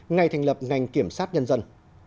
ngày thành lập ngành kiểm sát nhân dân